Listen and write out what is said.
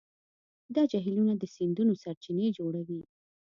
دا جهیلونه د سیندونو سرچینې جوړوي.